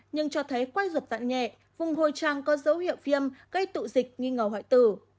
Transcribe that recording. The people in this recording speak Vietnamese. nhưng cho thấy quay ruột dạn nhẹ vùng hồi trang có dấu hiệu viêm gây tụ dịch nghi ngờ hoại tử